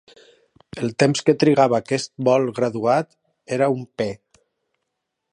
El temps que trigava aquest bol graduat era un "pe".